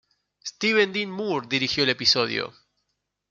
Steven Dean Moore dirigió el episodio.